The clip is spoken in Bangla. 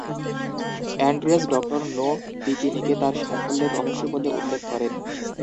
অ্যান্ড্রেস "ডক্টর নো" বিকিনিকে "তার সাফল্যের রহস্য" বলে উল্লেখ করেন।